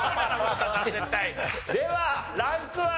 ではランクは？